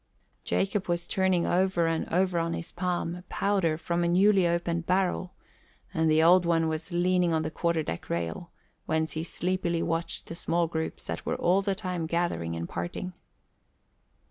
Jacob was turning over and over on his palm powder from a newly opened barrel, and the Old One was leaning on the quarter deck rail, whence he sleepily watched the small groups that were all the time gathering and parting.